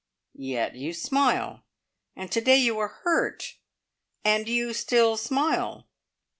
Yet you smile! And to day you are hurt, and you still smile!"